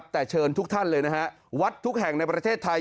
แต่เชิญทุกท่านเลยนะฮะวัดทุกแห่งในประเทศไทย